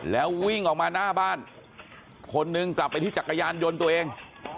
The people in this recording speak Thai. แล้ววิ่งออกมาหน้าบ้านคนหนึ่งกลับไปที่จักรยานยนต์ตัวเอง